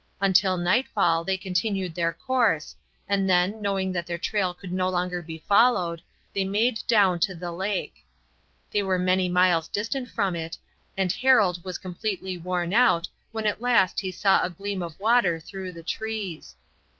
Until nightfall they continued their course, and then, knowing that their trail could no longer be followed, they made down to the lake. They were many miles distant from it, and Harold was completely worn out when at last he saw a gleam of water through the trees.